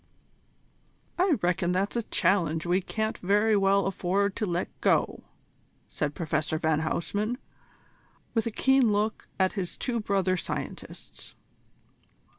"I reckon that's a challenge we can't very well afford to let go," said Professor van Huysman, with a keen look at his two brother scientists.